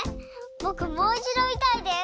ぼくもういちどみたいです！